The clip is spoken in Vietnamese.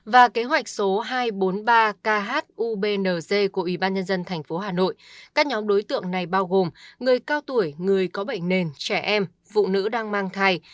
và kế hoạch số hai trăm bốn mươi ba khubnz của ủy ban nhân dân tp hà nội các nhóm đối tượng này bao gồm người cao tuổi người có bệnh nền trẻ em phụ nữ đang mang thai